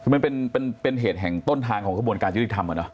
คือมันเป็นเหตุแห่งต้นทางของกระบวนการยุติธรรมอะเนาะ